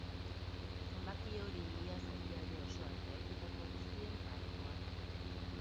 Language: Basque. Zenbaki hori iaz herrialde osoan eraikitako guztien parekoa da.